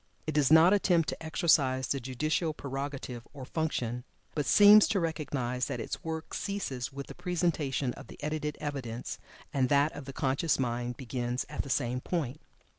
It does not attempt to exercise the judicial prerogative or function, but seems to recognize that its work ceases with the presentation of the edited evidence, and that of the conscious mind begins at the same point.